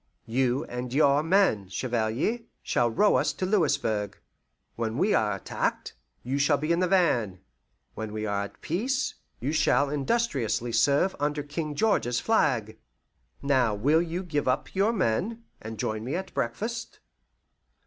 You and your men, Chevalier, shall row us to Louisburg. When we are attacked, you shall be in the van; when we are at peace, you shall industriously serve under King George's flag. Now will you give up your men, and join me at breakfast?"